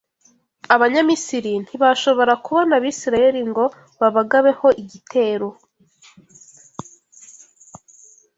Abanyamisiri ntibashobora kubona Abisirayeli ngo babagabeho igitero